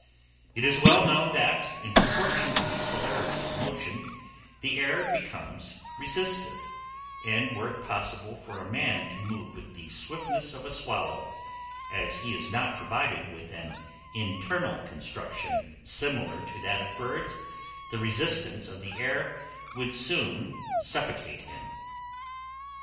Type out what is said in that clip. It is well known that, in proportion to celerity of motion, the air becomes resistive; and were it possible for a man to move with the swiftness of a swallow, as he is not provided with an internal construction similar to that of birds, the resistance of the air would soon suffocate him.